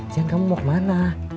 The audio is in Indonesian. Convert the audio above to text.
siang kamu mau kemana